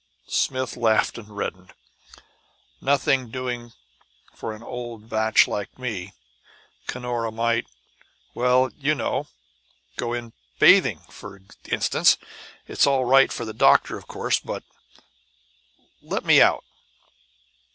Smith laughed and reddened. "Nothing doing for an old bach like me. Cunora might well, you know go in bathing, for instance. It's all right for the doctor, of course; but let me out!"